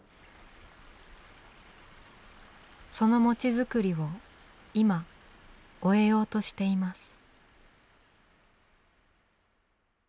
その餅作りを今終えようとしています。